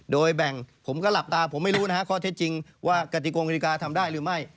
โดยแบ่งผมก็หลับตาผมไม่รู้นะฮะข้อเท็จจริงว่ากติกงกฎิกาทำได้หรือไม่